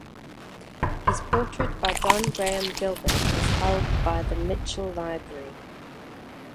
His portrait by John Graham Gilbert is held by the Mitchell Library.